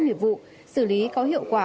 nhiệp vụ xử lý có hiệu quả